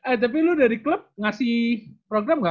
eh tapi lo dari klub ngasih program gak